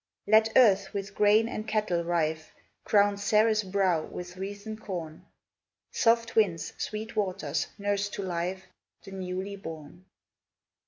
Let Earth, with grain and cattle rife, Crown Ceres' brow with wreathen corn; Soft winds, sweet waters, nurse to life The newly born!